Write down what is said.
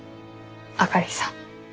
あかりさん。